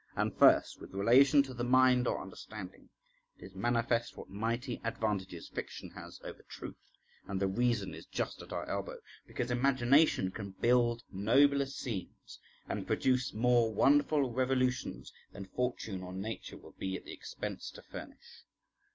And first, with relation to the mind or understanding, it is manifest what mighty advantages fiction has over truth, and the reason is just at our elbow: because imagination can build nobler scenes and produce more wonderful revolutions than fortune or Nature will be at the expense to furnish.